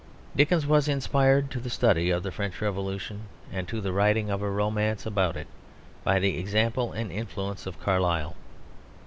Dickens was inspired to the study of the French Revolution and to the writing of a romance about it by the example and influence of Carlyle.